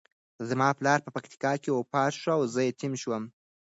زما پلار په پکتیکا کې وفات شو او زه یتیم شوم.